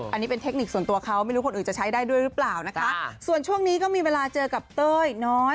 อันนี้เป็นเทคนิคส่วนตัวเขาไม่รู้คนอื่นจะใช้ได้ด้วยหรือเปล่านะคะส่วนช่วงนี้ก็มีเวลาเจอกับเต้ยน้อย